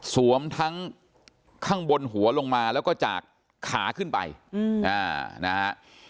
ทั้งข้างบนหัวลงมาแล้วก็จากขาขึ้นไปนะฮะ